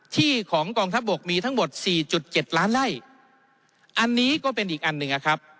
ที่ของกองทัพบกมีทั้งหมดสี่จุดเจ็ดล้านไล่อันนี้ก็เป็นอีกอันหนึ่งอะครับ